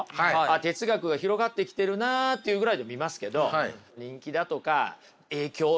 哲学が広がってきてるなっていうぐらいで見ますけど人気だとか影響とかそういう意味でね